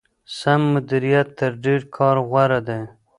سم مديريت تر ډېر کار غوره دی.